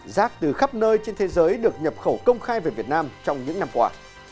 rác từ khắp nơi trên thế giới được nhập khẩu công khai về việt nam trong những năm qua